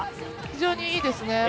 非常にいいですね。